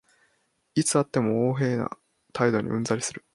いつ会っても横柄な態度にうんざりする